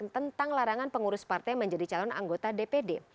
tentang larangan pengurus partai menjadi calon anggota dpd